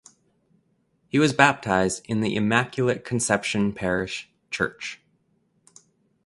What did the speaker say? He was baptized in the Immaculate Conception parish church.